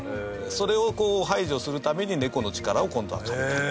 それを、こう、排除するために猫の力を今度は借りた。